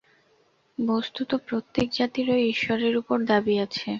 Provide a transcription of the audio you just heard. বস্তুত প্রত্যেক জাতিরই ঈশ্বরের উপর দাবী আাছে।